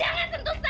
jangan sentuh saya